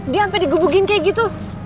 dia sampe digubugin kayak gitu